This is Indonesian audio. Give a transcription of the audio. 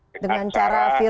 dengan cara virtual teknologi